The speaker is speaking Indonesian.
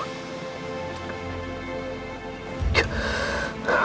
aku tidak akan pernah bisa selamat